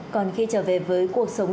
còn khi trở về với cuộc sống